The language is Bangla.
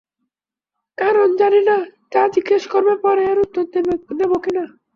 কারণ জানি না, যা জিজ্ঞেস করবে পরে এর উত্তর দেব কি-না?